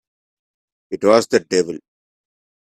It was the devil!